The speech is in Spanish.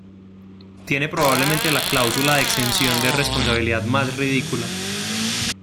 tiene probablemente la cláusula de exención de responsabilidad más ridícula